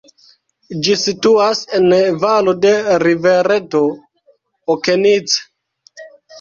Ĝi situas en valo de rivereto Okenice.